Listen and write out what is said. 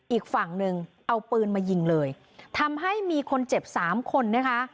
อีกฝั่งหนึ่งเอาปืนมายิงเลยทำให้มีคนเจ็บสามคนนะคะ